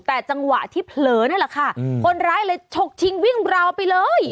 แต่จังหวะที่เผลอนั่นแหละค่ะคนร้ายเลยฉกชิงวิ่งราวไปเลย